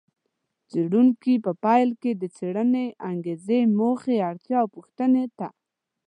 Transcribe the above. څېړونکي په پیل کې د څېړنې انګېزې، موخې، اړتیا او پوښتنې ته